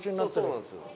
そうなんですよ。